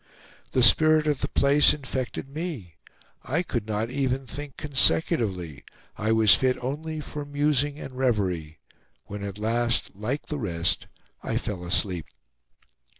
The spirit of the place infected me; I could not even think consecutively; I was fit only for musing and reverie, when at last, like the rest, I fell asleep.